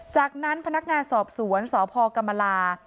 จากนั้นพนักงานสอบสวนสพกรรมลา